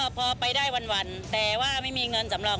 พอไปได้วันแต่ว่าไม่มีเงินสำรอง